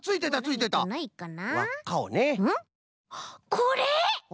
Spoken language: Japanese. これ！